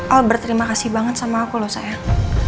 oh berterima kasih banget sama aku loh sayang